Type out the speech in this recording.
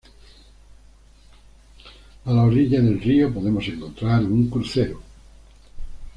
A la orilla del rio, podemos encontrar un crucero.